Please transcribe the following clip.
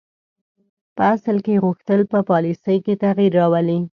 په اصل کې یې غوښتل په پالیسي کې تغییر راولي.